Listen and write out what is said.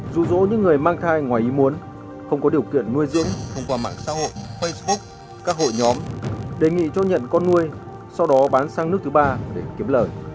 dù dỗ những người mang thai ngoài ý muốn không có điều kiện nuôi dưỡng thông qua mạng xã hội facebook các hội nhóm đề nghị cho nhận con nuôi sau đó bán sang nước thứ ba để kiếm lời